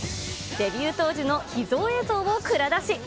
デビュー当時の秘蔵映像を蔵出し。